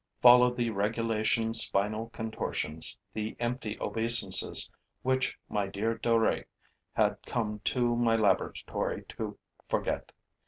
Followed the regulation spinal contortions, the empty obeisances which my dear Duruy had come to my laboratory to forget.